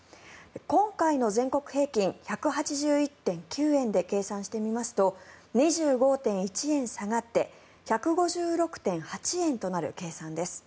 今回の全国平均１８１．９円で計算してみますと２５．１円下がって１５６．８円となる計算です。